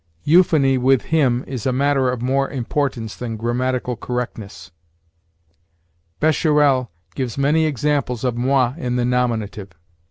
Euphony with him is a matter of more importance than grammatical correctness. Bescherelle gives many examples of moi in the nominative.